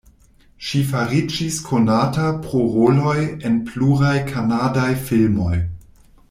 Ŝi fariĝis konata pro roloj en pluraj kanadaj filmoj.